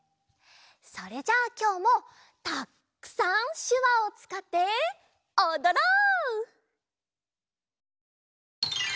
それじゃあきょうもたっくさんしゅわをつかっておどろう！